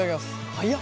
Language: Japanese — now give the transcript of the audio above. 早っ。